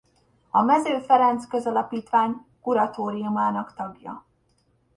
A Mező Ferenc Közalapítvány kuratóriumának tagja.